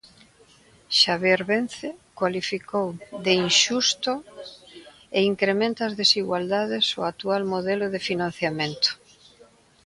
Xavier Vence cualificou de inxusto e incrementa as desigualdades o actual modelo de financiamento.